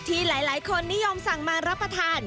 ที่หลายคนนิยมสั่งมารับประทาน